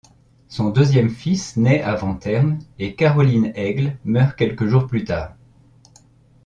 Son deuxième fils naît avant terme et Caroline Aigle meurt quelques jours plus tard.